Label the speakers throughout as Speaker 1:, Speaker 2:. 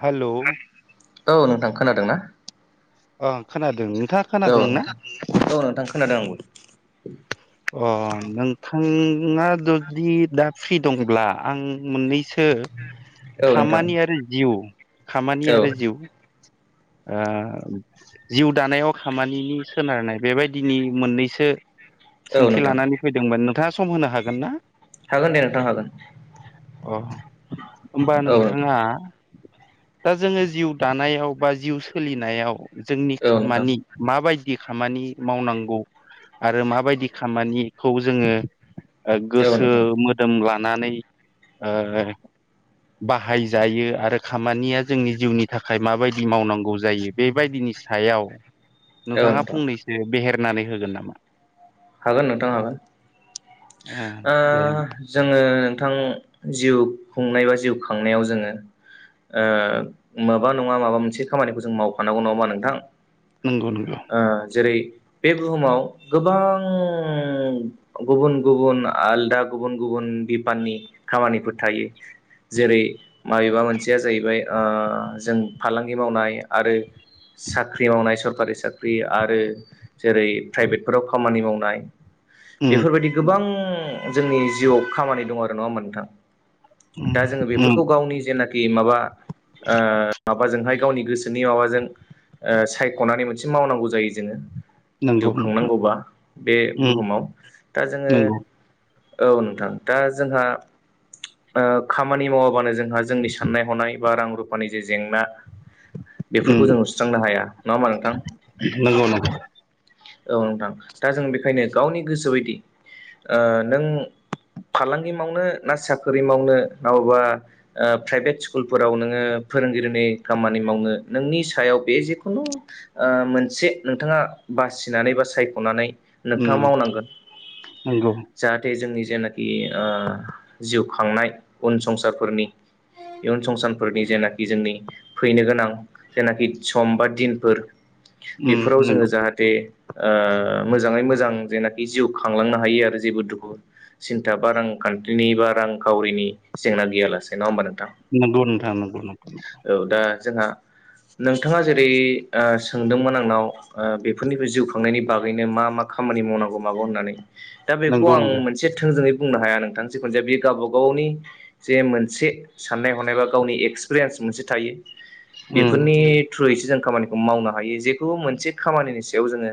Speaker 1: Hello
Speaker 2: औ नोंथां खोनादों ना?
Speaker 1: ओ खोनादों नोंथाङा
Speaker 2: औ
Speaker 1: खोनादों ना?
Speaker 2: औ नोंथां खोनादों आंबो। [inaudible]
Speaker 1: अ नोंथाङा जुदि दा फ्रि दंब्ला आं मोननैसो
Speaker 2: औ नोंथां
Speaker 1: खामानि आरो जिउ खामानि
Speaker 2: औ
Speaker 1: आरो जिउ ओ जिउ दानायाव खामानिनि सोनारनाय बेबायदिनि मोननैसो
Speaker 2: औ
Speaker 1: सोंथि
Speaker 2: नोंथां
Speaker 1: लानानै फैदोंमोन नोंथाङा सम होनो हागोन ना?
Speaker 2: हागोन दे नोंथां हागोन।
Speaker 1: अ होमबा
Speaker 2: औ
Speaker 1: नोंथाङा दा जोङो जिउ दानायाव बा जिउ सोलिनायाव जोंनि
Speaker 2: नोंथां
Speaker 1: खामानि माबायद दि खामानि मावनांगौ आरो माबायदि खामानिखौ जोङो ओ
Speaker 2: औ नोंथां औ
Speaker 1: गोसो
Speaker 2: नोंथां
Speaker 1: मोदोम लानानै ओ बाहायजायो आरो खामानिया जोंनि जिउनि थाखाय माबायद दि मावनांगौ जायो बेबायदिनि सायाव
Speaker 2: औ
Speaker 1: नोंथाङा
Speaker 2: नोंथां
Speaker 1: फंनैसो बेहेर नानै होगोन नामा?
Speaker 2: हागोन नोंथां हागोन ओ
Speaker 1: दे होमबा
Speaker 2: जोङो थां जिउ खुंनाय बा जिउ खांनायाव जोङो ओ माबा नङा माबा मोनसे खामानिखौ जों मावफानांगौ नङा होमबा नोंथां?
Speaker 1: नंगौ नंगौ
Speaker 2: ओ जेरै बे बुहुमाव गोबां
Speaker 1: [inaudible]
Speaker 2: गुबुन गुबुन आलदा गुबुन गुबुन बिफाननि खामानिफोर थायो। जेरै माबेबा मोनसेया जाहैबाय ओ जों फालांगि मावनाय आरो साख्रि मावनाय सरखारि साख्रि आरो जेरै प्राइभेटफोराव खामानि माव नाय
Speaker 1: उम
Speaker 2: बेफोरबायदि गोबां बां जोंनि जिउआव खामानि दं आरो नङा होमबा नोंथां
Speaker 1: उम
Speaker 2: दा जोङो
Speaker 1: उम
Speaker 2: बेफोरखौ गावनि जेनाख खि माबा ओ माबाजोंहाय गावनि गोसोनि माबाजों ओ सायख'नानै मोनसे मावनांगौ जायो जोङो। जिउ
Speaker 1: नंगौ नोंथां
Speaker 2: खांनांगौबा बे
Speaker 1: उम
Speaker 2: बुहुमाव दा जोङो
Speaker 1: नंगौ
Speaker 2: औ नोंथां दा जोंहा ओ खामानि मावाबानो जों जोंहा जोंनि साननाय हनाय बा रां रुफानि जे जेंना
Speaker 1: उम
Speaker 2: बेफोरखौ जों सुस्रांनो हाया। नङा होमबा नोंथां?
Speaker 1: नंगौ नंगौ
Speaker 2: औ नोंथां दा जों बेखायनो गावनि गोसो बायदि ओ नों फालांगि मावनो ना साख्रि मावनो ना बबा ओ प्राइभेट स्कुलफोराव नोङो फोरोंगिरिनि खामानि मावनो नोंनि सायाव बे जेखुनु ओ मोनसे नोंथाङा बासि बुजिनानै बा सायख'नानै
Speaker 1: उम
Speaker 2: नोंथांङा मावनांगोन।
Speaker 1: नंगौ
Speaker 2: जाहाथे जोंनि जेनाखि ओ जि खांनाय उन संसारफोरनि इयुन संसानफोरनि जेनाखि जोंनि फैनो गोनां जेनाखि सम बा दिनफोर
Speaker 1: उम
Speaker 2: बेफोराव जोङो
Speaker 1: नंगौ
Speaker 2: जाहाथे ओ ओ मोजाङै मोजां जेनाखि जिउ खांलांनो हायो आरो जेबो दुखु सिन्था बा रांखान्थिनि बा रांखावरिनि जेंना गैयालासे। नङा होमबा नोंथां?
Speaker 1: नंगौ नोंथां नंगौ नंगौ
Speaker 2: औ दा जोंहा नोंथाङा जेरै ओ सोंदोंमोन आंनाव ओ बेफोरनिबो जिउ खांनायनि बागैनो मा मा खामानि मावनांगौ मागौ होननानै। दा बेखौ
Speaker 1: नंगौ
Speaker 2: आं
Speaker 1: नंगौ
Speaker 2: मोनसे थोंजोङै बुंनो हाया नोंथां जिखुनजाया बेयो गावबा गावनि जे मोनसे साननाय हनाय बा गावनि एक्सपिरियेन्स मोनसे थायो
Speaker 1: उम
Speaker 2: बेफोरनि थ्रुयैसो जों खामानिखौ मावनो हायो जेखौ मोनसे खामानिनि सायाव जोङो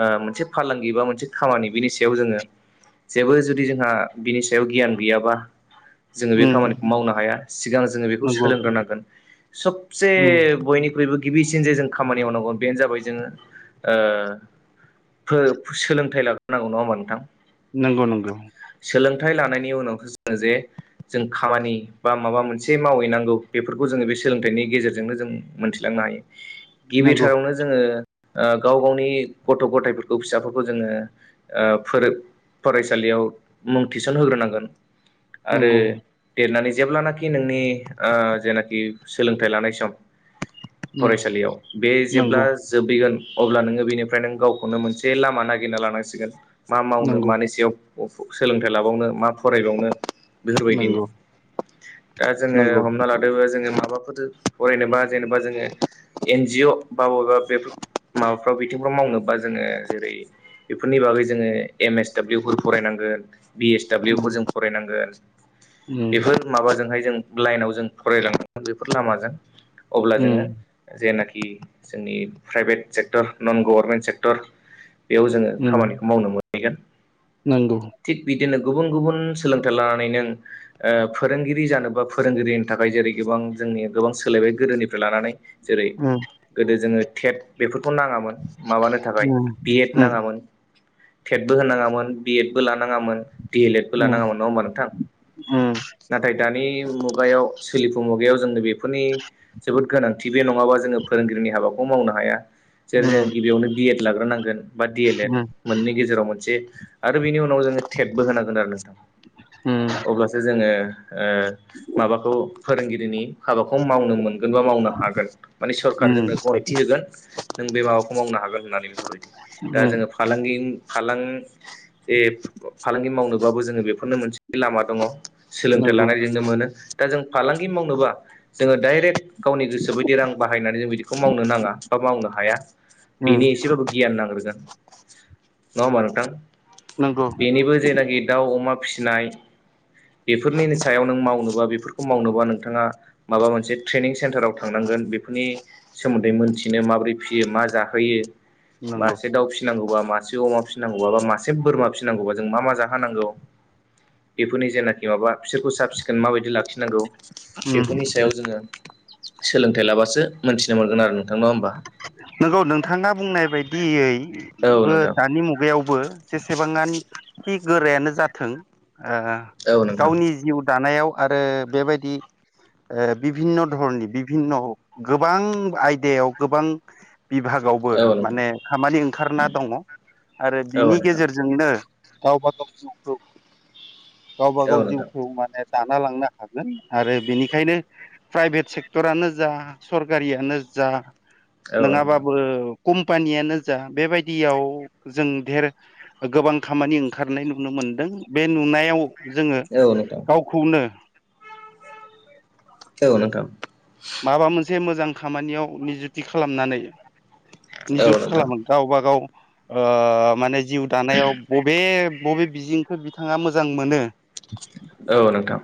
Speaker 2: ओ मोनसे फालांगि बा मोनसे खामानि बिनि सायाव जोङो जेबो जुदि जोंहा बिनि सायाव गियान गैयाबा जोङो बे
Speaker 1: उम
Speaker 2: खामानिखौ मावनो हाया सिगां जोङो बेखौ
Speaker 1: नंगौ
Speaker 2: सोलोंग्रोनांगोन सबसे
Speaker 1: उम
Speaker 2: बयनिख्रुयबो गिबिसिन जे जों खामानि मावनांगौ बेनो जाबाय जोङो ओ फो सोलोंथाइ लाग्रोनांगौ। नङा होमा नोंथां?
Speaker 1: नंगौ नंगौ
Speaker 2: सोलोंथाइ लानायनि उनाव जोङो जे जों खामानि बा माबा मोनसे मावहैनांगौ बेफोरखौ जोङो बे सोलोंथाइनि गेजेरजों नो जों मोन्थिलांनो हायो।
Speaker 1: नंगौ
Speaker 2: गिबिथारावनो जोङो ओ गाव गावनि गथ' गथाइफोरखौ फिसाफोरखौ जोङो ओ फोरो फरायसालियाव मुं थिसन होग्रोनांगोन। आरो
Speaker 1: नंगौ
Speaker 2: देरनानै जेब्लानाखि नोंनि ओ जेनाखि सोलोंथाइ लानाय सम
Speaker 1: उम
Speaker 2: फरायसालियाव बे जेब्ला
Speaker 1: नंगौ
Speaker 2: जोबहैगोन अब्ला नोङो बेनि फ्राय नों गावखौनो मोनसे लामा नागिरना लानांसिगोन। मा मावनो
Speaker 1: नंगौ
Speaker 2: मानि सायाव अफाव सोलोंथाइ लाबावनो मा फरायबावनो बेफोरबायदिनि।
Speaker 1: नंगौ
Speaker 2: दा जोङो
Speaker 1: नंगौ
Speaker 2: हमना लादो जोङो माबाफोर फरायनोबा जेनेबा जोङो एन जिअ बा बबेबा बेफोर माबाफ्राव बि फ्राव मावनोबा जोङो जेरै बेफोरनि बागै जोङो एम एस दाब्लिउफोर फरायनांगोन बि एस
Speaker 1: उम
Speaker 2: दाब्लिउखौ जों फरायनांगोन।
Speaker 1: उम
Speaker 2: बेफोर माबाजोंहाय जों लाइनाव जों फरायलांनांगोन बेफोर लामाजों अब्ला जोङो
Speaker 1: उम
Speaker 2: जेना खि जोंनि प्राइभेट सेक्टर नन गभर्नमेन्ट सेक्टर बेयाव जोङो खामानिखौ मावनो मोनहैगोन।
Speaker 1: नोंगौ।
Speaker 2: दिनो गुबुन गुबुन सोलोंथाइ लानानै नों ओ फोरोंगिरि जानोबा फोरोंगिरिनि थाखाय जेरै गोबां जोंनि गोबां सोलायबाय गोदोनिफ्राय लानानै। जेरै
Speaker 1: उम
Speaker 2: गोदो जोङो टेट बेफोरखौ नाङामोन। माबानो थाखाय
Speaker 1: उम
Speaker 2: बि एद
Speaker 1: उम
Speaker 2: नाङामोन। टेटबो होनाङामोन बि एद बो लानाङामोन दि एल एडबो
Speaker 1: उम
Speaker 2: लानाङामोन। नङा होमबा नोंथां?
Speaker 1: उम
Speaker 2: नाथाय दानि मुगायाव सोलिफु मुगायाव जोंनो बेफोरनि जोबोद गोनांथि बे नङाबा जोङो फोरोंगिरिनि हाबाखौ मावनो हाया। [unintelligible]
Speaker 1: उम
Speaker 2: गिबियावनो बि एड लाग्रोनांगोन बा डि एल एड मोननै गेजेराव मोनसे आरो बिनि उनाव जोङो टेटबो होनांगोन आरो नोंथां।
Speaker 1: उम
Speaker 2: अब्लासो जोङो ओ माबाखौ फोरोंगिरिनि हाबाखौ मावनो मोनगोन बा मावनो हागोन माने
Speaker 1: उम
Speaker 2: सरकारजोंनो गनायथि होगोन । नों बे माबाखौ मावनो हागोन होननानै बेफोरबायदि दा
Speaker 1: उम
Speaker 2: जोङो फालांगि फालां [unintelligible] फालांगि मावनोबाबो जोङो बेफोरनो मोनसे लामा दङ। सोलोंथाइ
Speaker 1: नंगौ
Speaker 2: लानायजोंनो मोनो। दा जों फालांगि मावनोबा जोङो डाइरेक्ट गावनि गोसो बायदि रां बाहायनानै जों बिदिखौ मावनो नाङा बा मावनो हा हाया
Speaker 1: उम
Speaker 2: बेनि एसेबाबो गियान नांग्रोगोन नङा होमबा नोंथां।
Speaker 1: नंगौ
Speaker 2: बेनिबो जेनाकि दाव अमा फिनाय बेफोरनि सायाव नों मावनोबा बेफोरखौ मावनोबा नोंथाङा माबा मोनसे ट्रेनिं सेन्टाराव थांनां गोन बेफोरनि सोमोन्दै मोनथिनो माबोरै फियो मा जाहोयो
Speaker 1: नंगौ
Speaker 2: मासे दाउ फिनांगौबा मासे अमा फिसिनांगौबा बा मासे बोरमा फिनांगौबा जों मा मा जाहोनांगौ बेफोरनि जेनाखि माबा बिसोरखौ साब सिखोन माबायदि लाखिनांगौ
Speaker 1: उम
Speaker 2: बेफोरनि सायाव जोङो सोलोंथाइ लाबासो मोन्थिनो मोनगोन आरो नोंथां नङा होमबा।
Speaker 1: नंगौ नोंथांआ बुंनाय बायदियै
Speaker 2: औ
Speaker 1: बो
Speaker 2: नोंथां
Speaker 1: दानि मुगायावबो जेसेबांनोखि गोरायानो जाथों ओ
Speaker 2: औ नोंथां
Speaker 1: गावनि जिउ दानायाव आरो बेबायदि ओ बिभिन्न' धरनि बिभिन्न'हक गोबां आयदायाव गोबां बिभागावबो
Speaker 2: औ नोंथां
Speaker 1: माने खामानि ओंखारना दङ आरो
Speaker 2: औ
Speaker 1: बिनि
Speaker 2: नोंथां
Speaker 1: गेजेरजोंनो गावबा गाव जिउखौ गावबा
Speaker 2: औ नोंथां
Speaker 1: गाव
Speaker 2: औ नोंथां
Speaker 1: जिउखौ माने दाना लांनो हागोन आरो बेनिखायनो प्राइभेट सेक्टरानो जा सरकारियानो जा
Speaker 2: औ नोंथां
Speaker 1: नङाबाबो कम्पानियानो जा बेबायदियाव जों धेर गोबां खामानि ओंखारनाय नुनो मोनो। मोनदों बे नुनायाव जोङो
Speaker 2: औ नोंथां औ
Speaker 1: गावखौनो
Speaker 2: नोंथां
Speaker 1: माबा मोनसे मोजां खामानियाव निजुथि खालामनानै निजुत खालामो गावबा गाव ओ माने जिउ दानायाव बबे बबे बिजोंखौ बिथाङा मोजां मोनो
Speaker 2: औ नोंथां।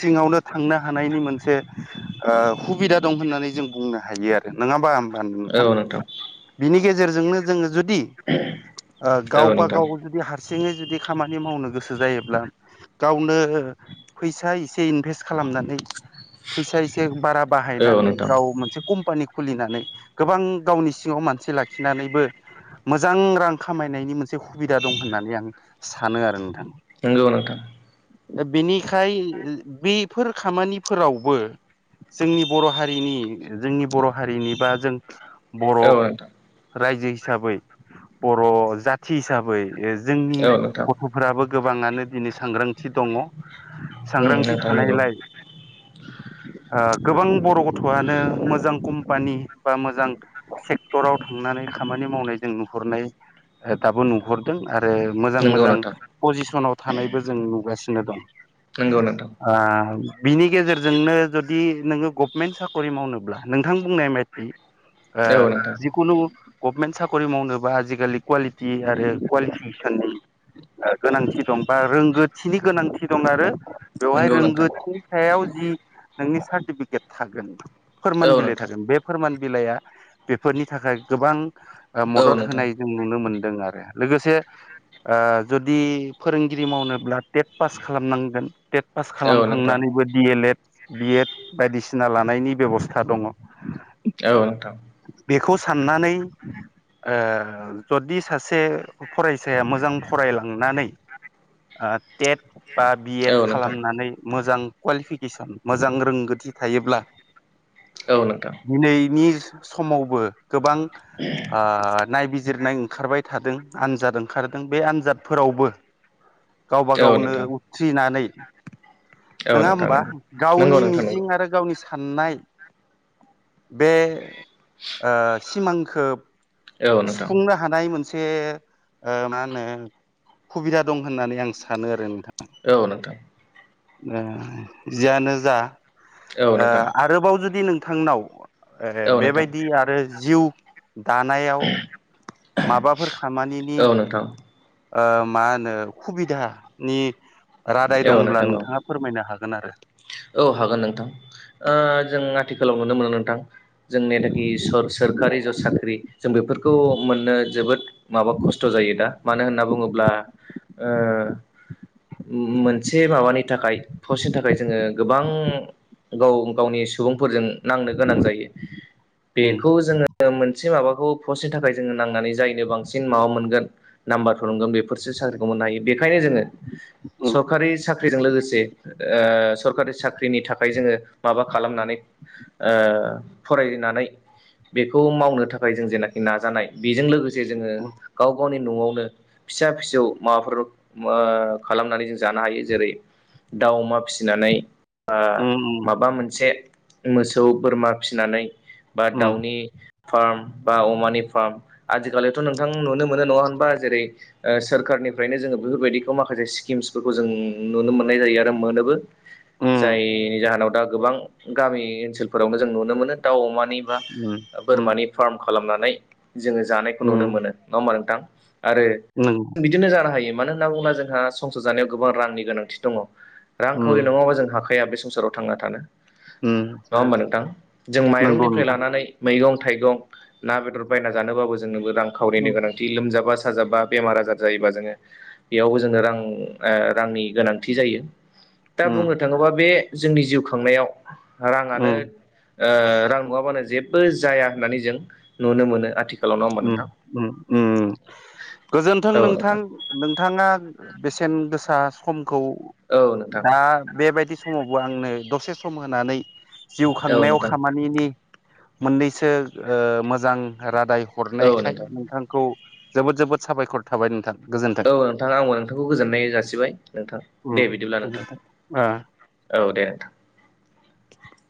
Speaker 1: सिङावनो थांनो हानायनि मोनसे ओ हुबिदा दं होननानै जों बुंनो हायो आरो नङा होमबा नोंथां बिनि गेजेराव गेजेरनो जोङो जुदि ओ
Speaker 2: औ
Speaker 1: गावबा
Speaker 2: नोंथां
Speaker 1: गाव जुदि हा सिङै जुदि खामानि मावनो गोसो जायोब्ला गावनो फैसा एसे इनभेस्ट खालाम नानै फैसा एसे बारा
Speaker 2: औ
Speaker 1: बाहायनानै
Speaker 2: नोंथां
Speaker 1: गाव मोनसे कम पानि खुलिनानै गोबां गावनि सिङाव मानसि लाखिनानैबो मोजां रां खामायनायनि मोनसे हुबिदा दं होननानै आं सानो आरो नोंथां।
Speaker 2: नंगौ नोथां।
Speaker 1: दा बेनिखाय बेफोर खामानिफोरावबो जोंनि बर' हारिनि जोंनि बर' हारिनि बा जों बर'
Speaker 2: औ नोंथां
Speaker 1: रायजो हिसाबै बर' जाथि हिसाबै जोंनि
Speaker 2: औ नोंथां
Speaker 1: गथ'फ्राबो गोबाङानो दिनै सांग्रांथि दङ
Speaker 2: उम
Speaker 1: सांग्रांथि
Speaker 2: नोंथां नंगौ
Speaker 1: थानायलाय ओ गोबां बर' गथ'आनो मोजां कम्पानि बा मोजां सेक्टराव थांनानै खामानि मावनाय जों नुहुरनाय दाबो नुहरदों आरो आरो मोजां
Speaker 2: नंगौ
Speaker 1: मोजां
Speaker 2: नोंथां
Speaker 1: पजिसनाव थानायबो जों नुगासिनो दं।
Speaker 2: नंगौ नोंथां
Speaker 1: ओ बिनि गेजेरजोंनो जु दि नोङो गभमेन्ट साखरि मावनोब्ला नोंथां बुंनाय ओ
Speaker 2: औ नोंथां
Speaker 1: जिखुनु गभनमेन्ट साखरि मावनोबा आजिखालि कुवालिटि आरो कुवालिफिकेसननि ओ गोनांथि दं बा रोंगौथिनि गोनांथि दं आरो बेवहाय
Speaker 2: नंगौ नोंथां
Speaker 1: रोंगौथिनि सायाव जि नोंनि सार्टिफिकेट थागोन फोरमान
Speaker 2: औ
Speaker 1: बिलाइ
Speaker 2: नोंथां
Speaker 1: थागोन बे फोरमान बिलाइया बेफोरनि थाखाय गोबां ओ
Speaker 2: औ
Speaker 1: मदद
Speaker 2: नोंथां
Speaker 1: होनाय जों नुनो मोनदों आरो लोगोसे ओ जुदि फोरोंगिरि मावनोब्ला टेट पास खालामनांगोन टेट पास
Speaker 2: औ नोंथां
Speaker 1: खालामखांनानैबो D El Ed B Ed बायदिसिना लानायनि बेबस्था दङ
Speaker 2: औ नोंथां
Speaker 1: बेखौ साननानै ओ जदि सासे फरायसाया मोजां फरायलांनानै आ टेट बा बि एड
Speaker 2: औ नोंथां
Speaker 1: खालामनानै मोजां कुवालिफिकेसन मोजां रोंगोथि थायोब्ला
Speaker 2: औ नोंथां
Speaker 1: दिनैनि समावबो गोबां ओ नायबिजिरनाय ओंखारबाय थादों आन जाद ओंखारदों बे आनजादफोरावबो गावबा
Speaker 2: औ
Speaker 1: गावनो
Speaker 2: नोंथां
Speaker 1: उथ्रिनानै
Speaker 2: औ
Speaker 1: नङा
Speaker 2: नोंथां
Speaker 1: होमबा
Speaker 2: नोंगौ
Speaker 1: गावनि मिजिं आरो गाव नि साननाय बे ओ सिमांखो
Speaker 2: औ नोंथां
Speaker 1: सुफुंनो हानाय मोन से ओ मा होनो हुबिदा दं होननानै आं सानो आरो नोंथां
Speaker 2: औ नोंथां
Speaker 1: ओ जियानो जा
Speaker 2: औ
Speaker 1: ओ
Speaker 2: नोंथां
Speaker 1: आरोबाव जुदि नोंथांनाव ओ
Speaker 2: औ नोंथां
Speaker 1: बेबायदि आरो जिउ दानाय माबाफोर खामानिनि
Speaker 2: औ नोंथां
Speaker 1: ओ मा होनो खुबिदा नि रादाय
Speaker 2: औ
Speaker 1: दंब्ला
Speaker 2: नोंथां औ
Speaker 1: नोंथाङा फोरमायनो हागोन आरो
Speaker 2: औ हागोन नोंथां ओ जों आथिखालाव नुनो मोनो नोंथां जों नेदाखि सर सोरकारि ज साख्रि जों बेफोरखौ मोननो जोबोद माबा खस्थ' जायो दा मानो होनना बुङोब्ला ओ मोनसे माबानि थाखाय पस्टनि थाखाय जोङो गोबां गाव गावनि सुबुंफोरजों नांनो गोनां जायो
Speaker 1: उम
Speaker 2: बेखौ जोङो मोन से माबाखौ पस्टनि थाखाय जोङो नांनानै जायनो बांसिन माबा मोनगोन नाम्बारफोर मोनगोन बेफोरसो साख्रिखौ मोन नो हायो बेखायनो जोङो सरकारि साख्रिजों लोगोसे ओ सरकारि साख्रिनि थाखाय जोङो माबा खालामनानै ओ फरायनानै बेखौ मावनो थाखाय जों जेनाखि नाजानाय बेजों लोगोसे जोङो
Speaker 1: उम
Speaker 2: गाव गावनि न'आवनो फिसा फिसौ माबाफोर मो खालामनानै जों जानो हायो जेरै दाउ अमा फिसिनानै ओ
Speaker 1: उम
Speaker 2: माबा मोनसे मोसौ बोरमा फिसिनानै बा
Speaker 1: उम
Speaker 2: दाउनि फार्म बा अमानि फार्म आजिखालिथ' नोंथां नुनो मोनो नङा होनबा जेरै ओ सोर कारनिफ्रायनो जोङो बैफोरबायदिखौ माखासे स्किम्सफोरखौ जों नुनो मोननाय जायो आरो मोनोबो
Speaker 1: उम
Speaker 2: जायनि जाहोनाव दा गोबां गामि ओनसोलफोरावनो जों नुनो मोनो दाउ अमा नि बा ओ
Speaker 1: उम
Speaker 2: बोरमानि फार्म खालामनानै जोङो जानायखौ नुनो
Speaker 1: उम
Speaker 2: मोनो नङा होमबा नोंथां? आरो
Speaker 1: उम
Speaker 2: बिदिनो जानो हायो मानो होनना बुङोब्ला जोंहा संसार जानायाव गोबां रांनि गोनांथि दङ। रांखावरि
Speaker 1: उम
Speaker 2: नङाबा जों हाखाया बे संसाराव थांना थानो
Speaker 1: उम
Speaker 2: नङा होमबा नोंथां जों
Speaker 1: नंगौ
Speaker 2: माइरंनिफ्राय
Speaker 1: नोंथां
Speaker 2: लानानै मैगं थाइगं ना बेदर बायना जानोबो जोंनोबो रां खावरिनि
Speaker 1: उम
Speaker 2: गोनांथि लोमजाबा साजाबा बेमार आजार जायोबा जोङो बेयावबो जोंनो रां ओ‌ रांनि गोनांथि जायो दा
Speaker 1: उम
Speaker 2: [unintelligible] जोंनि जिउ खांनायाव राङानो
Speaker 1: उम
Speaker 2: ओ रां नङाबानो जे बो जाया होननानै जों नुनो मोनो आथि
Speaker 1: उम उम उम गोजोनथों नोंथां नोंथाङा बेसेन गोसा समखौ
Speaker 2: औ नोंथां
Speaker 1: दा बेबायदि समावबो आंनो दसे सम होनानै जिउ
Speaker 2: औ
Speaker 1: खांनायाव
Speaker 2: नोंथां
Speaker 1: खामानिनि मोननैसो ओ मोजां रादाय
Speaker 2: औ
Speaker 1: हरनायखाय
Speaker 2: नोंथां
Speaker 1: नोंथांखौ जोबोद जोबोद सायखर थाबाय नोंथां। गोजोन्थों।
Speaker 2: औ नोंथां आंबो नोंथांखौ गोजोननाय जासिबाय नोंथां दे
Speaker 1: उम
Speaker 2: बिदिब्ला नोंथां
Speaker 1: गोजोनथों ओ
Speaker 2: । औ दे नोंथां।